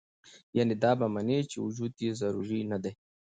يعني دا به مني چې وجود ئې ضروري نۀ دے